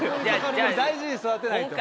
大事に育てないと。